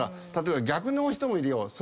例えば逆の人もいるよ。